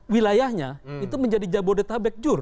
wilayahnya itu menjadi jabodetabek jur